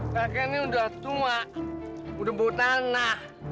kakak ini udah tua udah bau tanah